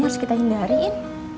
harus kita hindari in